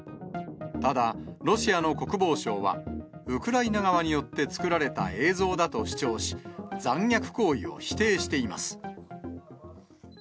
ただ、ロシアの国防省は、ウクライナ側によって作られた映像だと主張し、残虐行為を否定しています。